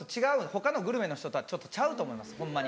他のグルメの人とはちょっとちゃうと思いますホンマに。